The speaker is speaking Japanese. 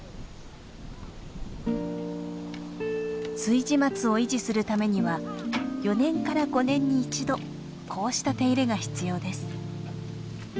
築地松を維持するためには４年から５年に一度こうした手入れが必要です。